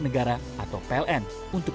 negara atau pln untuk